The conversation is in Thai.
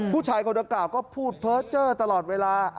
ผู้ชายเขาก็พูดเผาเจอร์ตลอดเวลา